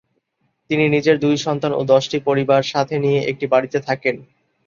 তিনি নিজের দুই সন্তান ও দশটি পরিবার সাথে নিয়ে একটি বাড়িতে থাকেন।